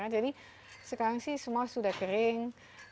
jadi sekarang sih semua sudah kering